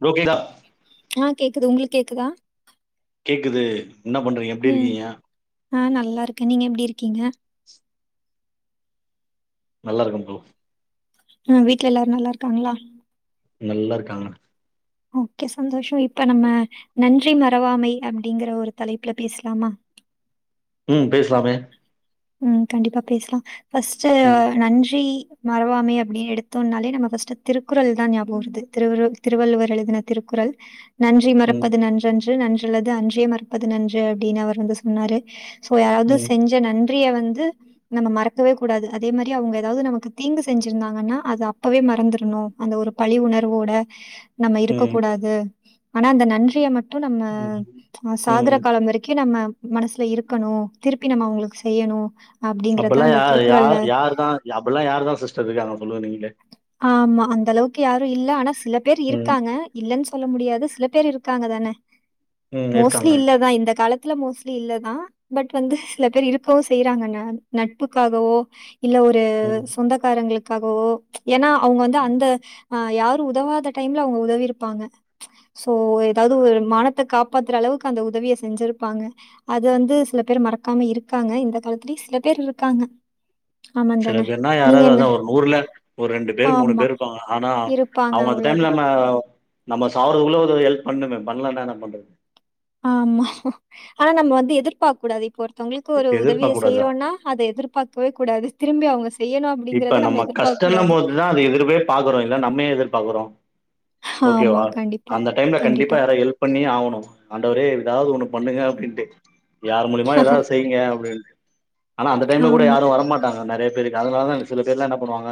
Bro கேக்குதா ஆ கேக்குது உங்களுக் கேக்குதா கேக்குது என்ன பண்றீங்க எப்டி ம் இருக்கீங்க ஆ நல்லா இருக்க நீங்க எப்படி இருக் கீங்க நல்லாருக்கம் ஃப்ரோ ம் வீட்ல எல்லாரு நல்லா இருக்காங்ளா நல்லா இருக்காங்க ஓகே சந்தோஷோ இப்ப நம்ம நன்றி மரவாமை அப்படிங்கற ஒரு தலைப்புல பேஸ்லாமா ம் பேஸ்லாமே ம் கண்டிப்பா பேஸ்லா ஃபஸ்ட்டு ம் நன்றி மரவாமை அப்டின் எடுத்தோன்னாலே நம்ம ஃபர்ஸ்ட்டு திருக்குறள்தா ஞாபகோ வருது திரு திருவள்ளுவர் எழுதின திருக்குறள் நன்றி ம் மறப்பது நன்றன்று று நன்றல்லது அன்றே மறப்பது நன்று அப்டின்னு அவர் வந்து சொன்னாரு சோ யாராவது ம் செஞ்ச நன் சுற்றிய வந்து நம்ம மறக்கவே கூடாது அதே மாரி அவங்க ஏதாவது நமக்கு தீங்கு செஞ்சிருந்தாங்கன்னா அது அப்பவே மறந்துரனு அந்த ஒரு பழி உணர்வோட நம்ம இருக்க ம் கூடாது ஆனா அந்த நன்றிய மட் மட்டு நம்ம ம் ஆ சாகுர ம் காலம் வரைக்கு நம்ம மனசுல இருக்கணு திருப்பி நம்ம அவுங்களுக்கு செய்யணு அப்பல்லா யா யா யாருதா அப்பல்லா யாருதா சிஸ்டர் இருக்காங்க சொல்லுங்க நீங்களே ஆமா அந்த அளவுக்கு யாரு இல்ல ஆனாஸ் சில பேர் ம் இருக்காங்க இல்லன்ஸ் சொல்ல முடியாது சில பேர் இருக்காங்கதான ம் மோஸ்லி இருக்காங்க இல்லதா இந்த காலத் வீட்ல மோஸ்ட்லி இல்லதா பட் வந்து சில பேர் இருக்கவு செய்யறாங்க நட்புக்காகவோ இல்ல ஒரு ம் சொந்தக்காரங்களுக் காகவோ ம்ச் ஏன்னா அவங்க வந்து அந்த அ யாரு உதவாத டைம்ல அவங்க உதவிருப்பாங்க சோ ஏதாவது ஒரு மானத்த காப்பாத்துற அளவுக்கு அந்த உதவிய செஞ்சிருப்பாங்க அது வந்து சில பேர் மறக்காம இருக்காங்க இந்த காலத்துலயு சில பேர் இருக்காங்க ஆமாந் தானே? சிலப்பேர்னா நீங்க யாராவது என்ன? அதா ஒரு நூருல ஒரு ரெண்டு பேர் மூணு ஆமா. பேர் இருப்பாங்க ஆனா இருப்பாங்க அவங்க அந்த டைம்ல அவ்வளதான். நம்ம நம்ம சாவுரதுள்ள உதவிகள் பண்ணுவ பண்லனா என்ன பண்றது ஆமா ஆனா நம்ம வந்து எதிர்பாக் கூடாது இப்ப ஒர்த் ஒருத்தவங்ளுகுக் ஒரு உதவிய எதிர்பார்க்க கூடாதா செய்றோன்னா அத எதிர்பாக்கவே கூடாது திரும்பி அவங்கஸ் இப்ப நம்ம கஷ்டன்னும் போதுதா அது எதிர்வே பாகுறோ இல்ல நம்ம ஏ எதிர்பாகுறோ ஆமா. ஓகேவா கண்டிப்பா, அந்த டைம்ல கண்டிப்பா யாராவது ஹெல்ப் பண்ணியே ஆவணு அண்டவரே ஏதாவது ஒன்னுப் பண்ணுங்க அப்டின்டு யார் மூலியமா ஏதாவது செய்ங்க அப்டின் ஆனா அந்த டைம்ல கூட ஆமா, யாரு வரமாட்டாங்க நறையப் இப்ப அதுக்கு அதனாலதா சில பேர்லா என்ன பண்ணுவாங்க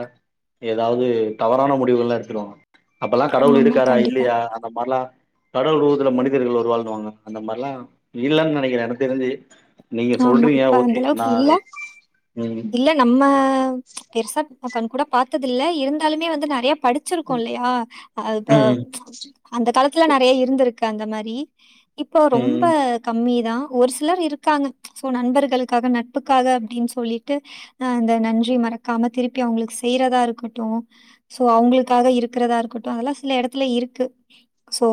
ஏதாவது தவறான முடிவுகள் எல்லா எடுத்துருவாங்க கடவுள் ஆமா. இருக்காரா கண்டிப்பா. இல்லியா அந்த மாரிலா கடவுள் உருவத்துல மனிதர்கள் வருவாழுனுவாங்க அந்த மாரிலாம இல்லன்னு நெனிக்குற எனக்கு தெரிஞ்சு நீங்க ஆமா சொல்றீங்க இப்ப அந்த ஓகே நா அளவுக்கில்ல ம் இல்ல நம்ம ம்ச் பெருசா கண் கூட பாத்ததில்ல இருந்தாலுமே வந்து நறையப் படிச்சிருக்கோ இல்லையா அப்ப ம் ம்ச் அந்த காலத்துல நறைய இருந்துருக்கு அந்த மார் வி இப்போ ரொம்ப ம் கம்மி தா ஒரு சிலர் இருக்காங்க சோ நண்பர்களுக்காக நட்புக்காக அப்டின் சொல்லிட்டு அ இந்த நன்றி மறக்காம திருப்பி அவங்களுக்கு செய்யுறதா இருக்கட்டு சோ அவங்களுக்காக இருக்குறதா இருக்கட்டு அதல்லா சில எடத்துல இருக்கு சோ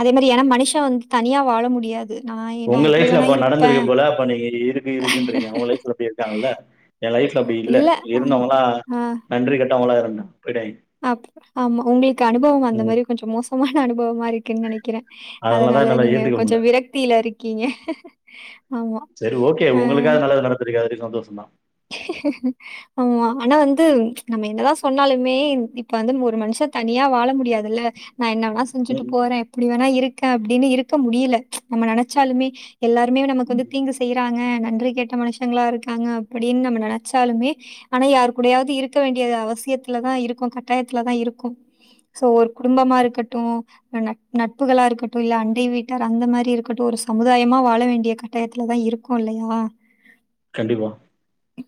அதே மாரி ஏன்னா மனுஷ வந்து தனியா வாழ முடியாது நாயே நா உங்க எப்படி லைஃப்ல வேணா அப்ப இருப்ப நடந்திருக்கு போல நீங்க இருக்கு இருக்கு என்றீங்க அவங்க லைஃப்ல இப்டி இருக்காங்கள்ள எ லைப் அப்டி இல்ல இருந்தவங்களா நன்றி கட் டவுன்ல இருந்தே அ ஆமா உங்களுக்கு அனுபவம் அந்த ம் மாரி கொஞ்சம் மோசமான அனுபவமா இருக்குன்னு நினைக்கிறே அதனாலதா அதனால என்னால நீங்க ஏத்துக்க முடில கொஞ்சம் விரக்தியில இரு கீங்க சரி ஓகே உங்களுக்காது நல்லது நடத்திருக்காது சந்தோசதா ஆமா ஆனா வந்து நம்ம என்னதா சொன்னாலுமே இப்ப வந்து ஒரு மனுஷ தனியா வாழ முடியாதுல்ல நா என்ன வேணா செஞ்சுட்டு ம் போறே எப்டி வேணா இருக் அப்டின்னு இருக்க முடியல நம்ம நினைச்சாலுமே எல்லாருமே நமக்கு வந்து தீங்கு செய்யுறாங்க நன்றி கெட்ட மனுஷங்களா இருக்காங்க அப்டின் நம்ம நினைச்சாலுமே ஆனா யாரு கூடையாவது இருக்க வேண்டிய அவசியத்துலதா இருக்கோ கட்டாயத்துலதா இருக்கோ சோ ஒரு குடும்பமா இருக்கட்டு நட் நட்புகளா இருக்கட்டு இல்ல அண்டை வீட்டார் அந்த மாரி இருக்கட்டும் ஒரு சமுதாயமா வாழ வேண்டிய கட்டாயத்துலதா இருக்கோ இல்லைங்ககளா கண்டிப்பா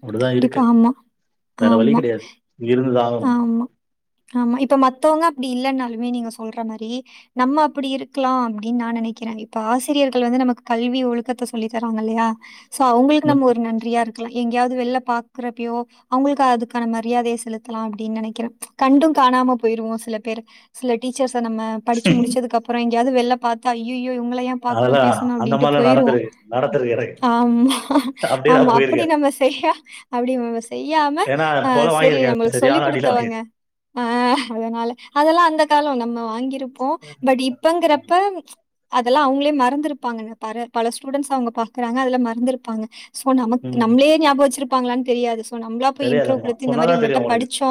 அப்டிதான் இருக்கு ஆமா, வேற வழி ஆமா, கிடையாது இருந்துதா ஆகனு ஆமா. ஆமா இப்ப மத்தவங்க அப்டி இல்லைன்னாலுமே நீங்க சொல்ற மாரி நம்ம அப்டி இருக்கலா அப்டின் நா நினைக்கிறே இப்ப ஆசிரியர்கள் வந்து நமக்கு கல்வி ஒழுக்கத்தை சொல்லி தராங்க இல்லையா சோ அவங்களுக்கு ம் நம்ம ஒரு நன்றியா இருக் எங்கேயாவது வெளிய பக்குறப்போயோ அவங்களுக்கு அதுக்கான மரியாதையை செலுத்தலா அப்டின் நினைக்கிறேன் கண்டும் காணாம போயிருவோ சில பேர் சில டீச்சர்ஸ் நம்ம படிச்சு முடிச்சதுக்கு அப்ற இங்க ங்கயாவது வெல்ல பாத்தா அய்யய் யோ இவங்கள ஏன் பாக்கணு அதெல்லா பேசணு அந்த அப்டின்ட்டு மாரிலா போயிருவோ நடந்திருக்கு நடந்திருக்கு எனக்கு ஆமா அப்டியே நா ஆமா அப் அப்டி போயிருக்கே நம்ம செய்ய அப்டிங் ஸ் செய்யாம ஏன்னா ஆ பொல சரி வாங்கியிருக்கே நம்மளுக் சொல்லிக் சரியான அடிலா கொடுத்தவங்க வாங்கிருக்கே ஆ அதனால அதெல்லா அந்த கால நம்ம வாங்கிருப்போ பட் இப்பங்கிறப்ப அதெல்லா அவங்களே மறந்து இருப்பாங்கன்ன ப பல ஸ்டூடன்ட்ஸ் அவங்க பாக்குறாங்க அதெல்லா மறந்திருப்பாங்க ம் நம்ளே ஞாப வச்சிருட் ப்பங்களான் தெரியாது இப்ப நம்மளா போய் இன்ட்றவ் தெரியாதம்மா குடுத்து இந்த சொன்னாதா மாரி தெரியு உங்கிட்ட உங்களுக்கு படிச்சோ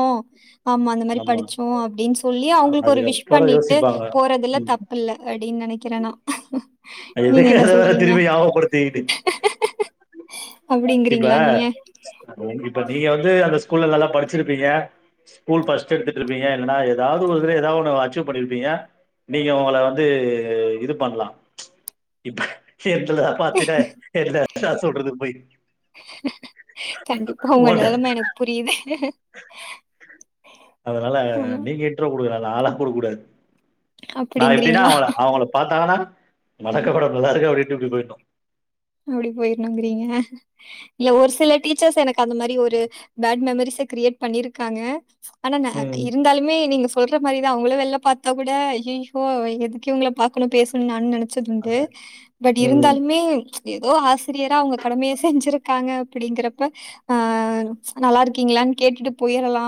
ஆமா அந்த மாரி படிச்சோ அப்டின் சொல்லி அவங்களுக்கு ஒரு விஷ் அதுக்கப்புறோ பண்ணிட்டு யோசிப்பாங்க போறதுல ம் தப்புல அப்டின் நினைக்கிறே நா எதுக்கு அத வேற திருப்பி யாபகபடுத்தீட்டு இப்ப அப்படிங்கிறீங்களா நீங்க? இப்ப நீங்க வந்து ஸ்கூல்ல நல்லா படிச்சிருப்பீங்க ஸ்கூல் ஃபஷ்ட் எடுத்திட்டுருப்பீங்க இல்லனா ஏதாவது ஒருதுல ஏதாவது ஒண்ணு அச்சீவ் பண்ணிருப்பிங்க நீங்க உங்கள வந்து இது பண்ணலா இப்ப என்ந்துல பாத்தித என்ன நா சொல்றது பொய் கண்டிப்பா உங்க ஓட நெலம எனக்கு புரியிது [inaudible] அதனால நீங்க இன்ட்ரோ குடுக்கலா நாலா குடுக் குடாது நா எப்டின்னா அப்படிங்கிறீங்களா? அவுங்கள அவுங்கள பாத்தானா வணக்ககூட நல்லாருக்க அப்டின்ட்டு இப்டி போயிட்னு அப்டி போயிர்ணுங்கிறீங்க இல்ல ஒரு சில டீச்சர்ஸ் எனக் கந்த மாரி ஒரு பேட் மெமரிஸ் ஸு கிரியேட் பண்ணிருக்காங்க ஆன ந ம் இருந்தாலுமே நீங்க சொல்ற மாரி தா அவுங்கள வெள்ல பாத்தா கூட அய்யய்யோ எதுக்கு இவுங்கள பாக்கணு பேசணு நானு நென ச்சதுண்டு பட் ம் இருந்தாலுமே எதோ ஆசிரியரா அவுங்க கடமைய செஞ்சுருக்காங்க அப்பிடிங்கிறப்ப ஆ நல்லாருக்கீங்ளான் கேட்டுட்டு போயிரலா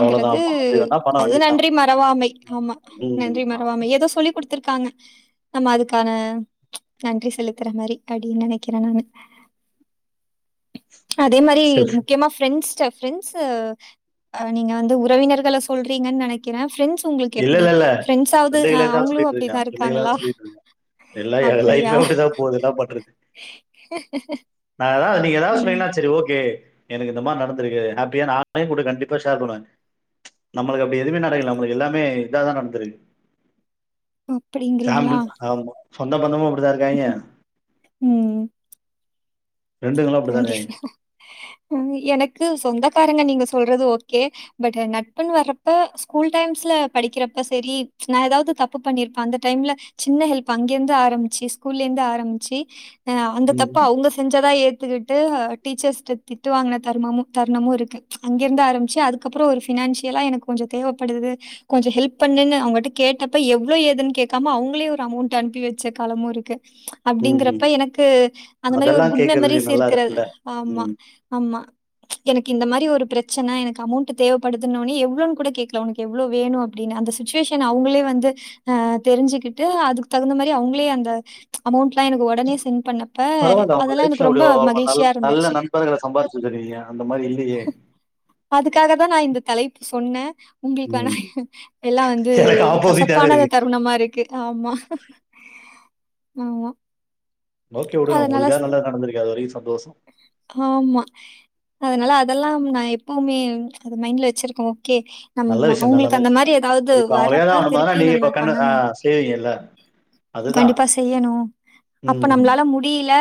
அவ்ளோதா ஆமா அப்டி வேணா பண்ண அதுவு வேண்டியதுதா நன்றி மறவாமை ஆமா ம் நன்றி மறவாமை எதோ சொல்லி குடுத் துருக்காங்க நம்ம அதுக்கான நன்றி செலுத்துற மாரி படி நெனக்கிறெ நானு அதே மாரி சொல்லு முக்கியமா ஃப்ரெண்ட்ஸ்ட்ட ஃப்ரெண்ட்ஸு ஆ நீங்க வந்து உறவினர்கள சொல்றீங்கன் நெனக்கிறே ஃபிரண்ட்ஸ் இல்லெல்லெல்ல அவங்களும் ஃப்ரெண்டுகளேதா [unintelligible] அப்படிதான் ஃப்ரெண்டுகளேதா இருக்காங்களா? சொல்லிட்ருக்க இல்ல ஏ அப்படியா? லைஃபே அப்டிதா போது என்னா பண்ற நா எதா நீங்க எதாவ்து ம். சொன்னீங்கனா செரி ஓகே எனக்கு இந்த மார் நடந்துருக்கு ஹாப்பியா நானெ கூட கண்டிப்பா ஷேர் பண்ணுவே நம்மளுக்கு அப்டி எதுமே நடக்கல நம்மளு எல்லாமே இதாதா நடந்துருக்கு அப்புடிங்கிறீங்களா சொந்த பந்தமு அப் டிதா இருக்காய்ங்க ம். கண்டிப்பா எனக்கு சொந்தகாரங்க நீங்க சொல்றது ஓகே பட் நட்புன்னு வர்றப்ப ஸ்கூல் டைம்ஸ்ல படிக்கிறப்ப சேரி நா எதாவ்து தப்பு பண்ணிருப்பே அந்த டைம்ல சின்ன ஹெல்ப் அங்கெந்து ஆரம்மிச்சு ஸ்கூல்லேந்து ஆரம்மிச்சி அ அந்த தப்ப ம், அவுங்க செஞ் எத்துகிட்டு ஹ டீச்சர்ஸ்ட்ட திட்டு வாங்குன தருமமு தருணமு இருக்கு அங்கெருந்து ஆரம்மிச்சு அதுக்கப்றொ ஒரு ஃபினான்ஷியலா எனக்கு கொஞ்சொ தேவப்படுது கொஞ்ச ஹெல்ப் பண்ணுன்னு அவுங்கட்ட கேட்டப்ப எவ்ளோ ஏதுன் கேக்காம அவுங்களே ஒரு அமௌண்ட் அனுப்பி வச்ச காலமு இருக்கு ம், அப்டிங்கறப்ப ம். எனக்கு அந்த மாரி ஒரு அதெல்லாம் மெமரீஸ் கேட்கறதுக்கு நல்லா இருக்குற இருக்குல்ல ஆமா ம் ஆமா எனக்கி இந்த மாரி ஒரு பிரச்சன எனக்கு அமௌண்ட்டு தேவப்படுதுன்னோனி எவ்ளொன் கூட கேக்கல ஒனக்கு எவ்ளொ வேணு அப்டின்னு அந்த சுச்சுவேஷன் அவுங்களே வந்து அ தெருஞ்சுக்கிட்டு அதுக்கு தகுந்த மாரி அவுங்களே அந்த அமௌன்ட் ப எனக்கு ஒடனே சென்ட் பண்ணப்ப உங்க அதெல்லாம் லைப்ல எனக்கு ரொம்ப அப்டி நல்ல மகிழ்ச்சியா நல்ல இருந்துச்சு. நண்பர்கள சம்பாதிச்சு வெச்சுருக்குறீங்கங்க அந்த மாரி இல்லீயே அதுக்காக தான் நான் இந்த தலைப்பு சொன்ன உங்களுக்கானா எல்லா வந்து எனக்கு ஆப்போசிட்டாவே கசப்பான இருக்கு தருணமா இருக்கு ஆமா ஆமா ஓகே உடுங்க அதனால உங்ளுக்கா ச நல்ல ஆமா அ அதனால அதல்லாம் நா எப்புமே அது மைண்ட்ல வெச்சிருக்கோ கே நம் நல்ல விஷயம் தான் அவங்களுக்கு நல்ல அந்த விஷயம் மாரி தான் ஏதாவது இப்ப அவங்களே வரப்ப தான் திருப்பி நீங்க இப்ப நம்ம கண்ணு ஆ, பண்ணணும் செய்வீங்கல்ல அதுதான் கண்டிப்பா செய்யணு அப்ப ம் நம்மளால முடியில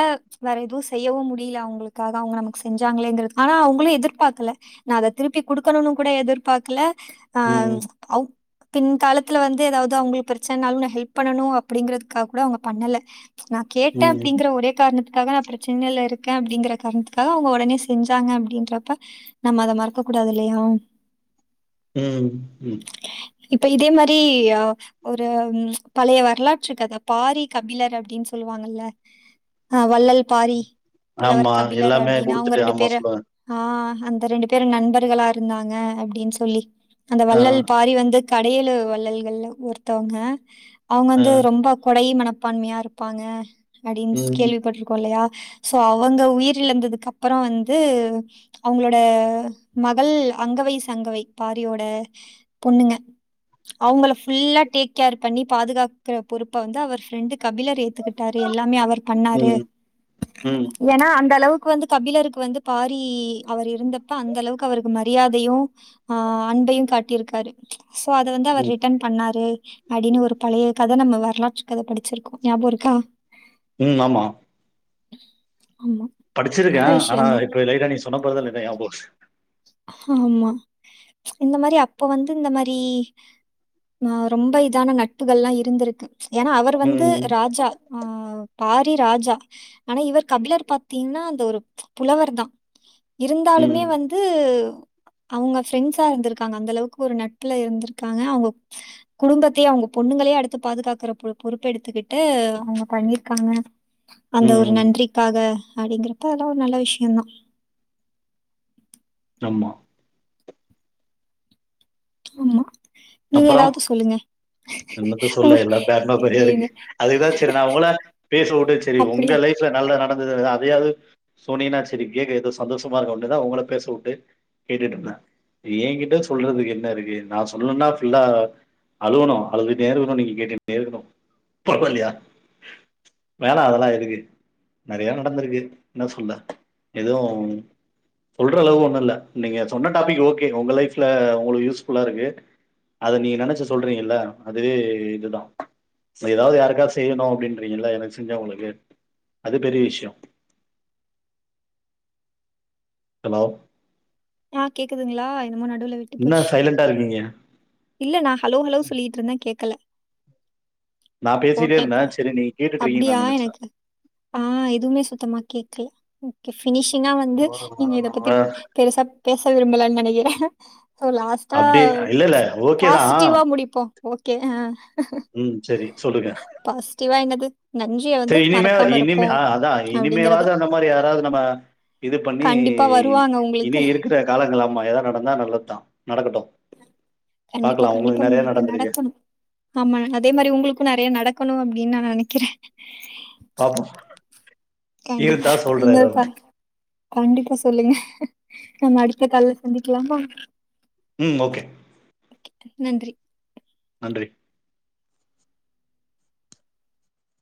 வேற எதுவு செய்யவும் முடியில அவங்களுக்காக அவங்க நமக்கு செஞ்சாங்களேங்குறது ஆனா அவங்களு எதிர்பாக்கல நா அத திருப்பி குடுக்கணுன்னு கூட எதிர்பாக்குல ம். ஆம்ச் அவ் பின் காலத்துல வந்து ஏதாவது அவங்ளுக்கு பிரச்சனாலு நா ஹெல்ப் பண்ணணு அப்படிங்கறதுக்காக கூட அவங்க பண்ணல நா கேட்ட ம். அப்டிங்கற ஒரே காரணத்து அதுக்காக நா பிரச்சனைல இருக்க அப்டிங்ற காரணத்துக்காக அவங்க ஒடனே செஞ்சாங்க அப்டின்றப்ப நம்ம அத மறக்க கூடாதுல்லையா ம் ம் இப்ப இதே மாரி ஒரு பழைய வரலாற்று கத பாரி கபிலர் அப்டின் சொல்லுவாங்கல்ல ஆ வல்லல் பாரி புலவர் ஆமா. கபிலர் எல்லாமே அப்டின்னா அவுங்க குடுத்துட்டு ரெண்டு ஆமா பேரு சொல்லுவேன். ஆ அந்த ரெண்டு பேரு நண்பர்களா இருந்தாங்க அப்டின் சொல்லி அந்த ஆ, வள்ளல் பாரி வந்து கடையேழு வள்ளல்கள்ல ஒருத்தவங்க அவங்க ஆ. வந்து ரொம்ப கொடை மனப் ப்பான்மையா இருப்பாங்க அப்டின்ஸ் ம். கேள்விப்பட்டிருக்கோ இல்லையா சோ அவுங்க உயிர் இழந்ததுக்கு அப்பறோ வந்து அவுங்களோட மகள் அங்கவை சங்கவை பாரியோட பொண்ணுங்க அவுங்கள ஃபுல்லா டேக் கேர் பண்ணி பாதுகாக்கற பொறுப்ப வந்து அவர் ஃப்ரெண்டு கபிலர் ஏத்துக்கிட்டாரு எல்லாமே அவர் பண்ணாரு ம். ம். ஏனா அந்த அளவுக் வந்து கபிலருக்கு வந்து பாரி அவர் இருந்தப்ப அந்த அளவுக்கு அவருக்கு மரியாதையு ஆ அன்பையு காட்டியிருக்காரு சோ அத வந்து அவர் ம். ரிட்டன் பண்ணாரு அப்படின்னு ஒரு பழையக் கத நம்ம வரலாற்று கத படிச்சிருக்கோ ஞாபோ இருக்கா ஆமா [inaudible] படிச்சிருக்க நல்ல ஆனா விஷயம் தான். இப்ப லைட்டா நீ சொன்னப்பதா அந்த எடோ ஞாபகோ வருது ஆமா இந்த மாரி அப்ப வந்து இந்த மாரி ஆ ரொம்ப இதான நட்புகல்லா இருந்துருக்கு ம்ச் ஏன்னா அவர் வந்து ம். ராஜா அ பாரி ராஜா ஆனா இவர் கபிலர் பாத்தீங்ன்னா அந்த ஒரு புலவர்தா இருந்தாலுமே ம். வந்து ங்க அவுங்க ஃப்ரெண்ட்ஸா இருந்துருக்காங்க அந்த அளவுக்கு ஒரு நட்புல இருந்துருக்காங்க அவுங்க குடும்பத்தையே அவுங்க பொண்ணுங்களே அடுத்து பாதுகாக்கற பொறுப்ப எடுத்துக்கிட்டு அவுங்க பண்ணிருக்காங்க அந்த ஒரு ம். நன்றிக்காக அப்படிங்கறப்ப அதல்லா ஒரு நல்ல விஷ்யந்தா ஆமா ஆமா நீங்க அப்பறோ ஏதாவது சொல்லுங்க. என்னத்த உங்க சொல்ல எல்லா பேட்மா போ இருக்கு இது அதுக்குதா ச்செர் நா அவங்கள பேச வுட்டு சரி அப்படி உங்க லைஃப்ல நல்லா நடந்ததுதா பிரியாது சொன்னினா செரி கேக்க எதோ சந்தோஷமா இருக்குண்ட்டுதா உங்கள்ல பேசவுட்டு கேட்டுட்ருந்த இப்ப ஏங் கிட்ட சொல்றதுக்கு என்ன இருக்கு நா சொல்லுன்னா இல்ல அழுவது நேர்ல இருக்கு போது நீங்க கேட்கத் நேர்ல இருந்தோ பரவால்லையா வேணா அதெல்லா எதுக்கு நறையா நடந்துருக்கு என்ன சொல்ல எதவு சோல்ற அளவுக்கு ஒன்னு இல்ல நீங்க சொன்ன டாப்பிக் ஓகேங்க உங்க லைஃப்ல உங்களுக்கு யூஸ் ஃபுல்லா இருக்கு அத நீங்க நெனச்சு சொல்றீங்கல்ல அதுவே இதுதா ஏதாவது யாருக்காச்சி செய்யணு அப்படின்றீங்கல்ல எனக்கு செஞ்சா உங்களுக்கு அது பெரிய விஷ்யோ அலோ ஆ கேக்குதுங்களா என்னமோ நடுவுல விட்டு என்ன போச்சு. சைலண்ட்டா இருக்கீங்க இல்ல நா ஹலோ ஹலோ சொல்லிட்டு இருந்த கேக்கல நா பேசிட்டே இருந்தே ஓகேப்பா சரி நீங்க கேட்டுட்டு அப்டியா இருக்கீங்கன்னு நா நெனச்சே எனக்கு ஆ எதுவுமே சுத்தமா கேக்கல ஓகே ஃப்ரெ பினிஷிங்கா வந்து நீங்க இத பத்தி பெருசா பேச விரும்பலன் நெனக்கிற அப்டியே ஆ இல்ல இல்ல ஓக் பாசிட்டிவ்வா முடிப்போ ஓக்கே அ ம் சேரி சொல்லுங்க பாசிட்டிவா என்னது? நன்றிய வந்து சேரி இனிமே மறக்காம இனிமே இருப்போம் ஆ அதா அப்படிங்கிறது. இனிமேவாது அந்த மாரி யாராவது நம்ம இது பண்ணி கண்டிப்பா வருவாங்க இனி உங்களுக்கு. இருக்குற காலங்கள் ஆமா ஏதாவது நடந்தா நல்லதுதா நடக்கட்டு கண்டிப்பா கண்டிப்பா உங்களுக்கு நடந்திருக்கு. நடக்குணு ஆமா அதே மாரி உங்களுக்கு நறைய நடக்கணு அப்டின்னு நா நெனைக்கிற பாப்போ கண்டிப்பா இன்னோர்க்கா கண்டிப்பா சொல்லுங்க நம் அடி த்த கால்ல சந்திக்கலாமா ம் ஓகே நன்றி நன்றி